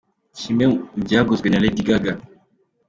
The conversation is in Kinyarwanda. Kimwe mu byaguzwe na Lady Gaga.